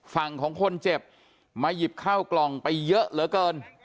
ฝั่งของคนเจ็บมาหยิบข้าวกล่องไปเยอะเหลือเกิน